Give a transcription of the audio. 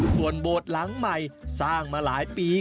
ส่วนโบสถ์หลังใหม่สร้างมาหลายปี